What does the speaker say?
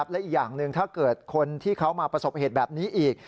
และอีกอย่างหนึ่งถ้าเกิดคนที่เขามาประสบเหตุแบบนี้อีก